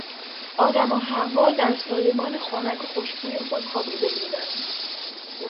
آدم و حوا در سایبان خنک و خوشبوی خود خوابیده بودند.